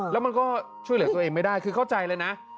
แล้วมันก็ช่วยเหลือตัวเองไม่ได้คือเข้าใจเลยนะ